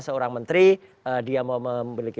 seorang menteri dia mau memiliki